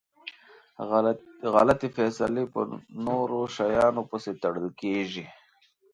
غلطي فیصلی په نورو شیانو پسي تړل کیږي.